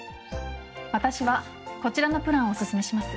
私はこちらのプランをおすすめします。